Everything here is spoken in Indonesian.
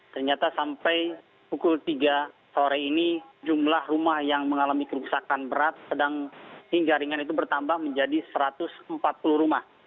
ternyata sampai pukul tiga sore ini jumlah rumah yang mengalami kerusakan berat sedang hingga ringan itu bertambah menjadi satu ratus empat puluh rumah